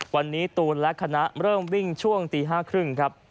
วันนี้ตูนและคณะเริ่มวิ่งช่วงตี๕๓๐ครับ